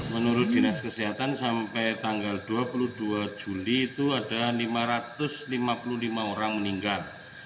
menurut dinas kesehatan sampai tanggal dua puluh dua juli itu ada lima ratus lima puluh lima orang meninggal